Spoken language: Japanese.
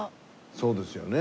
そうですよね。